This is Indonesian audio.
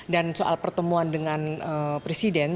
dan soal pertemuan dengan presiden